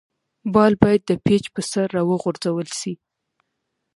بال باید د پيچ پر سر راوغورځول سي.